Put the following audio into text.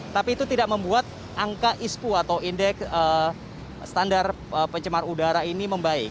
tapi itu tidak membuat angka ispu atau indeks standar pencemar udara ini membaik